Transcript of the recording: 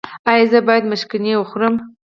ایا زه باید مشګڼې وخورم؟